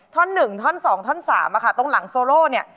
ท่อนหนึ่งท่อนสองท่อนสามอ่ะค่ะตรงหลังโซโลเนี้ย